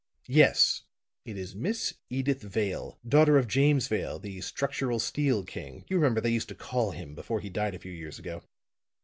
"Yes. It is Miss Edyth Vale, daughter of James Vale, the 'Structural Steel King,' you remember they used to call him before he died a few years ago.